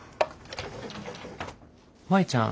舞ちゃん？